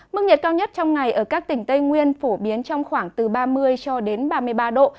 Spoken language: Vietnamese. mức nhiệt cao nhất trong ngày ở các tỉnh tây nguyên phổ biến trong khoảng từ ba mươi cho đến ba mươi ba độ